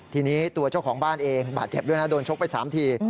ทีนี้ตัวเจ้าของบ้านเองบาดเจ็บด้วยนะโดนชกไป๓ที